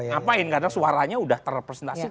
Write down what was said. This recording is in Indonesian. ngapain karena suaranya sudah terpresentasi